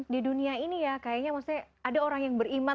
di dunia ini ya kayaknya maksudnya ada orang yang beriman